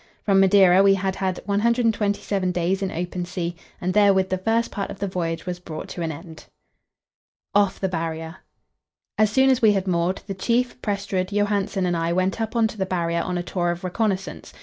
From Madeira we had had 127 days in open sea, and therewith the first part of the voyage was brought to an end. Off the Barrier. As soon as we had moored, the Chief, Prestrud, Johansen and I went up on to the Barrier on a tour of reconnaissance.